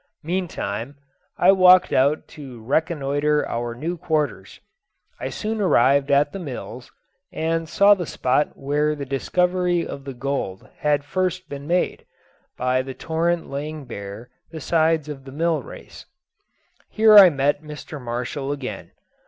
Meantime, I walked out to reconnoitre our new quarters. I soon arrived at the mills, and saw the spot where the discovery of the gold had first been made, by the torrent laying bare the sides of the mill race. Here I met Mr. Marshall again.